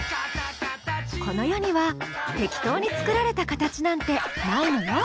この世には適当に作られたカタチなんてないのよ。